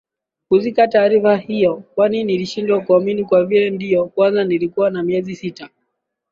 kusikia taarifa hiyo kwani nilishindwa kuamini kwa vile ndio kwanza nilikuwa na miezi sita